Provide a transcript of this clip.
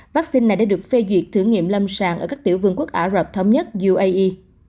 vaccine này đã được phê duyệt thử nghiệm lâm sàng ở các tiểu vương quốc ả rập thống nhất uae